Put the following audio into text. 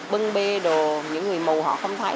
bưng bê đồ những người mù họ không thấy